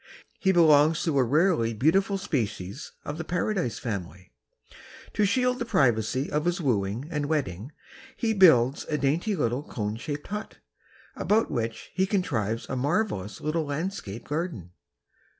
He belongs to a rarely beautiful species of the Paradise family. To shield the privacy of his wooing and wedding he builds a dainty little cone shaped hut, about which he contrives a marvelous little landscape garden.